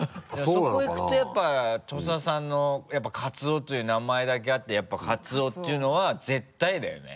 そこいくとやっぱ土佐さんのやっぱ「かつお」という名前だけあってやっぱカツオっていうのは絶対だよね。